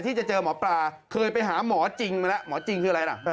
ที่จะเจอหมอปลาเคยไปหาหมอจริงมาแล้วหมอจริงคืออะไรล่ะ